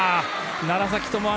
楢崎智亜